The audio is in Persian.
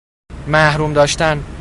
محروم داشتن